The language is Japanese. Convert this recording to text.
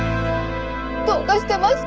どうかしてました。